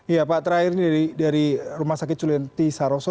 iya pak terakhir ini dari rumah sakit culianti saroso